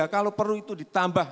kalau perlu itu ditambah